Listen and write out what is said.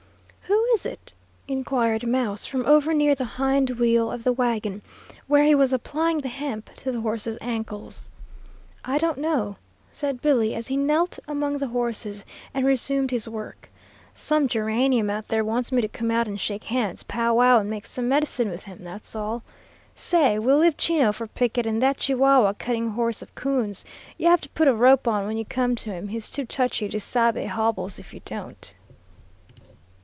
"Who is it?" inquired "Mouse" from over near the hind wheel of the wagon, where he was applying the hemp to the horses' ankles. "I don't know," said Billy, as he knelt among the horses and resumed his work, "some geranium out there wants me to come out and shake hands, pow wow, and make some medicine with him; that's all. Say, we'll leave Chino for picket, and that Chihuahua cutting horse of Coon's, you have to put a rope on when you come to him. He's too touchy to sabe hobbles if you don't."